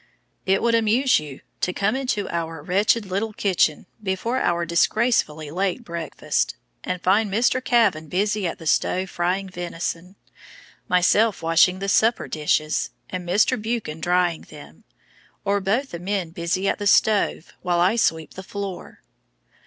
It would amuse you to come into our wretched little kitchen before our disgracefully late breakfast, and find Mr. Kavan busy at the stove frying venison, myself washing the supper dishes, and Mr. Buchan drying them, or both the men busy at the stove while I sweep the floor.